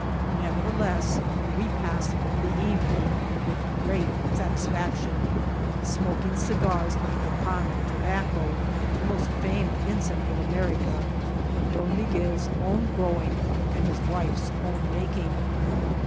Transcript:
Nevertheless, we passed the evening with great satisfaction, smoking cigars of Copan tobacco, the most famed in Central America, of Don Miguel's own growing and his wife's own making.